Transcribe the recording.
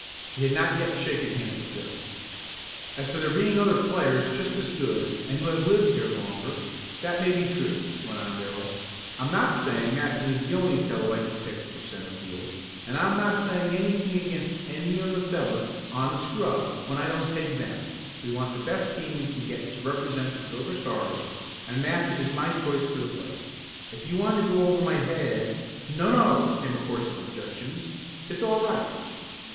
He had not yet shaken hands with Joe. "As for there being other players just as good and who have lived here longer, that may be true," went on Darrell. "I'm not saying Matson is the only fellow I could pick for centre field, and I'm not saying anything against any of the fellows on the scrub when I don't take them. We want the best team we can get to represent the Silver Stars and Matson is my choice for the place. If you want to go over my head " "No! No!" came a chorus of objections. "It's all right!"